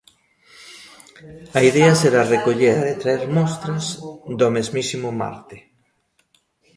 A idea será recoller e traer mostras do mesmísimo Marte.